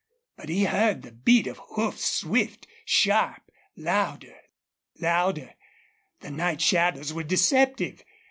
But he heard the beat of hoofs, swift, sharp, louder louder. The night shadows were deceptive.